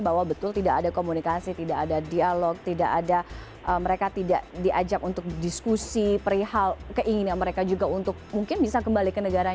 bahwa betul tidak ada komunikasi tidak ada dialog tidak ada mereka tidak diajak untuk diskusi perihal keinginan mereka juga untuk mungkin bisa kembali ke negara